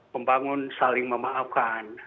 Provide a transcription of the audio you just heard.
membangun saling memaafkan